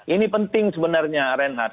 ini penting sebenarnya renhard